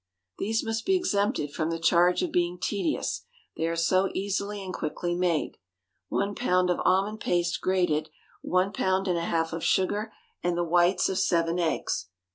_ These must be exempted from the charge of being tedious, they are so easily and quickly made. One pound of almond paste grated, one pound and a half of sugar, and the whites of seven eggs.